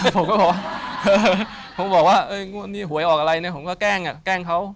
ผมก็บอกว่าเอ๊ะนี่หวยออกอะไรเนี่ยผมก็แกล้งแกล้งเค้า